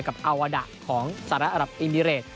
กับอาวาดะของสาระอรับอินดิเรจ